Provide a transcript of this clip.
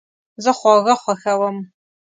زه خواږه خوښوم